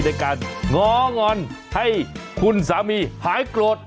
ด้วยการง้องอนให้คุณสามีหายโกรธ